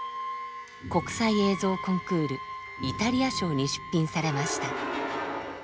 国際映像コンクール「イタリア賞」に出品されました。